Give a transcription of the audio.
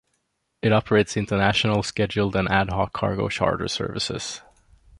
It operates international scheduled and ad-hoc cargo charter services.